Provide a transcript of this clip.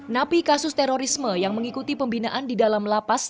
napi kasus terorisme yang mengikuti pembinaan di dalam lapas